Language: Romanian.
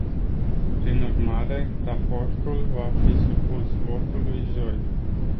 Prin urmare, raportul va fi supus votului joi.